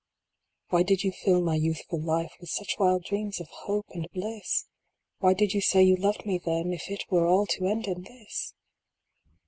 Why did you fill my youthful life With such wild dreams of hope and bliss ? Why did you say you loved me then, If it were all to end in this